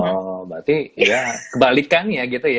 oh berarti ya kebalikan ya gitu ya